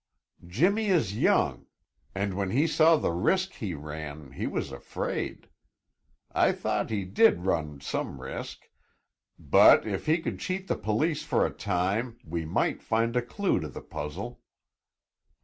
Jimmy is young and when he saw the risk he ran he was afraid. I thought he did run some risk, but, if he could cheat the police for a time, we might find a clue to the puzzle."